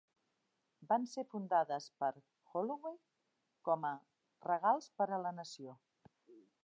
Van ser fundades per Holloway com a "regals per a la nació".